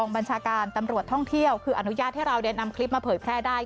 บัญชาการตำรวจท่องเที่ยวคืออนุญาตให้เรานำคลิปมาเผยแพร่ได้